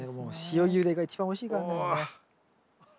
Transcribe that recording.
塩ゆでが一番おいしいからねもうね。